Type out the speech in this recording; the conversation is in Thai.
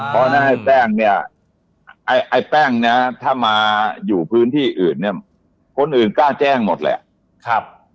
เพราะแป้งถ้ามาอยู่พื้นที่อื่นคนอื่นกล้าแจ้งหมดแหละ